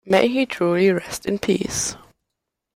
May he truly rest in peace.